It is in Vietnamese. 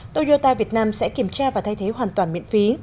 toyota việt nam sẽ kiểm tra và thay thế hoàn toàn miễn phí